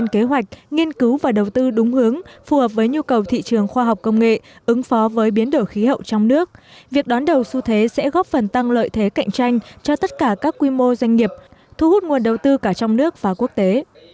kế hoạch nghiên cứu và đầu tư đúng hướng phù hợp với nhu cầu thị trường khoa học công nghệ ứng phó với biến đổi khí hậu trong nước việc đón đầu xu thế sẽ góp phần tăng lợi thế cạnh tranh cho tất cả các quy mô doanh nghiệp thu hút nguồn đầu tư cả trong nước và quốc tế